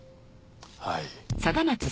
はい。